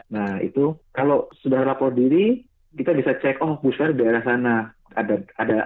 nah itu kalau sudah lapor diri kita bisa cek oh booster daerah sana